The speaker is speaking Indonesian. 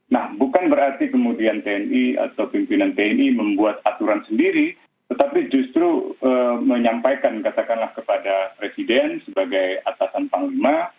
nah bukan berarti kemudian tni atau pimpinan tni membuat aturan sendiri tetapi justru menyampaikan katakanlah kepada presiden sebagai atasan panglima